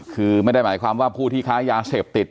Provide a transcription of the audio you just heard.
คือไม่ได้หมายความว่าผู้ที่ค้ายาเสพติด